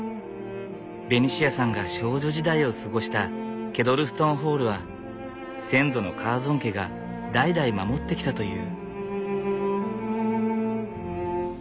ベニシアさんが少女時代を過ごしたケドルストンホールは先祖のカーゾン家が代々守ってきたという。